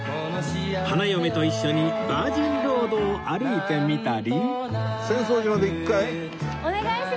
花嫁と一緒にバージンロードを歩いてみたり